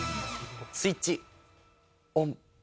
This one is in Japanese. スイッチオン。